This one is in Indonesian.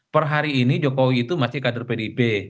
per hari ini jokowi itu masih kader pdip